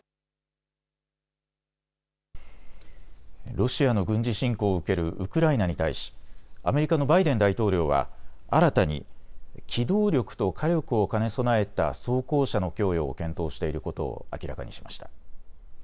ロシアの軍事侵攻を受けるウクライナに対し、アメリカのバイデン大統領は新たに機動力と火力を兼ね備えた装甲車の供与を検討していることを明らかにしました。